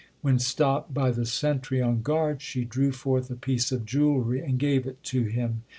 When stopped by the sentry on guard, she drew forth a piece of jewellery and gave it to him.